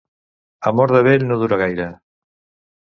Amor de vell no dura gaire.